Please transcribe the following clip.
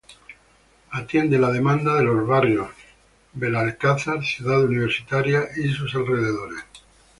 Atiende la demanda de los barrios Belalcázar, Ciudad Universitaria y sus alrededores.